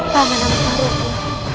paman amat maaf ya ibu